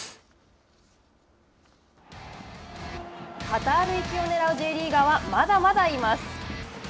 カタール行きをねらうＪリーガーは、まだまだいます。